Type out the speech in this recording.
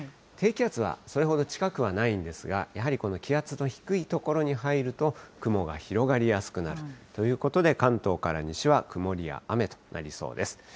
低気圧はそれほど近くはないんですが、やはりこの気圧の低い所に入ると、雲が広がりやすくなるということで、関東から西は曇りや雨となりそうです。